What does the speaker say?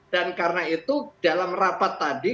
dan karena itu dalam rapat tadi